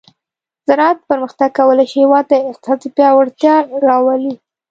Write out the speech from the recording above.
د زراعت پرمختګ کولی شي هیواد ته اقتصادي پیاوړتیا راولي.